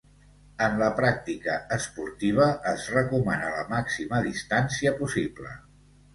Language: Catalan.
En la pràctica esportiva es recomana la màxima distància possible.